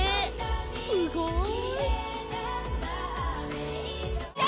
すごい！